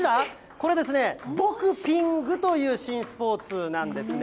これですね、ボクピングという新スポーツなんですね。